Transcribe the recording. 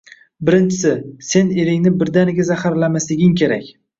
Birinchisi, sen eringni birdaniga zaharlamasliging kerak